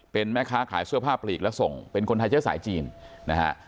เป็นแม่ค้าขายเสื้อผ้าปลีกและส่งเป็นคนไทยเชื้อสายจีนนะฮะ